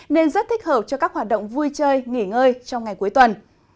nên rất thích hợp cho các hoạt động vui chơi nghỉ ngơi trong ngày cuối tuần